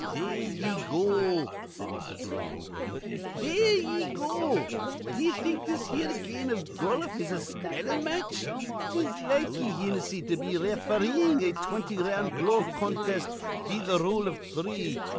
"There ye go!" said Mr. Dooley, angrily. "There ye go! D'ye think this here game iv goluf is a spellin' match? 'Tis like ye, Hinnissy, to be refereein' a twinty round glove contest be th' rule iv three.